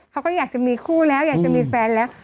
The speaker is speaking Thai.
เขาก็อยากจะมีคู่แล้วอยากจะมีแฟนแล้ว